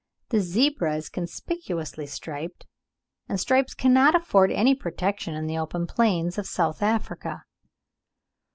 The zebra is conspicuously striped, and stripes cannot afford any protection in the open plains of South Africa.